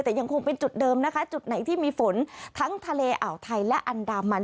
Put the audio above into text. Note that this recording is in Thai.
แต่ยังคงเป็นจุดเดิมนะคะจุดไหนที่มีฝนทั้งทะเลอ่าวไทยและอันดามัน